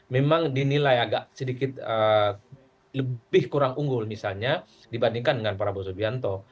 memang dinilai agak sedikit lebih kurang unggul misalnya dibandingkan dengan prabowo subianto